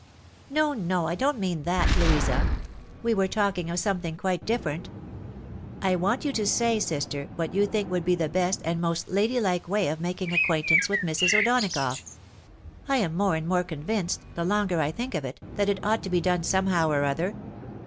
" No, no, I don't mean that, Louisa ! we were talking of something quite different. I want you to say, sister, what you think would be the best and most lady Hke way of making acquaintance with Mrs. O'Donagough. I am more and more convinced, the longer I think of it, that it ought to be done somehow or other.